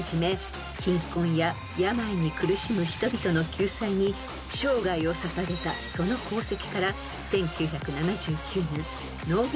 貧困や病に苦しむ人々の救済に生涯を捧げたその功績から］